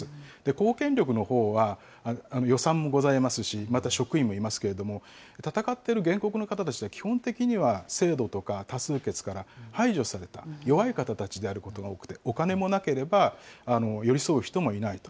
公権力のほうは予算もございますし、また職員もいますけれども、戦っている原告の方たちは基本的には制度とか多数決から排除された弱い方たちであることが多くて、お金もなければ寄り添う人もいないと。